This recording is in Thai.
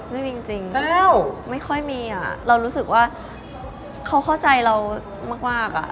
ไม่มีจริงไม่ค่อยมีอ่ะเรารู้สึกว่าเขาเข้าใจเรามากอ่ะ